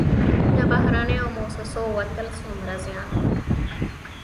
د بهرنیو موسسو وتل څومره زیان و؟